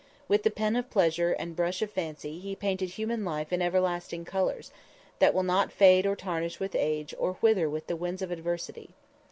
With the pen of pleasure and brush of fancy he painted human life in everlasting colors, that will not fade or tarnish with age or wither with the winds of adversity.